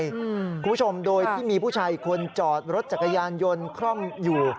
คุณผู้ชมโดยที่มีผู้ชายอีกคนจอดรถจักรยานยนต์คล่อมอยู่